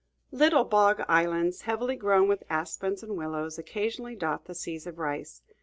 Little bog islands, heavily grown with aspens and willows, occasionally dot the seas of rice.